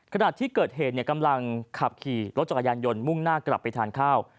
ขณะที่เกิดเหตุกำลังขับขี่รถจักรยานยนต์มุ่งหน้ากลับไปทานข้าว